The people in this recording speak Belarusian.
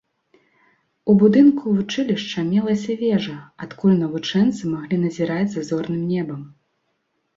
У будынку вучылішча мелася вежа, адкуль навучэнцы маглі назіраць за зорным небам.